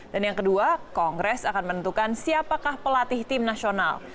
dan yang kedua kongres akan menentukan siapakah pelatih tim nasional